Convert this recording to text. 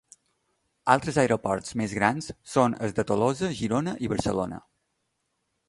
Altres aeroports més grans són els de Tolosa, Girona i Barcelona.